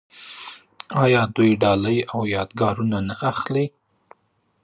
آیا دوی ډالۍ او یادګارونه نه اخلي؟